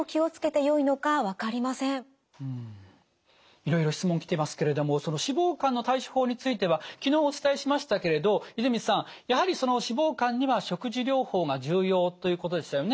いろいろ質問来ていますけれどもその脂肪肝の対処法については昨日お伝えしましたけれど泉さんやはり脂肪肝には食事療法が重要ということでしたよね。